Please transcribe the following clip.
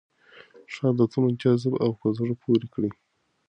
ښه عادتونه جذاب او په زړه پورې کړئ.